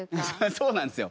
そうなんですよ。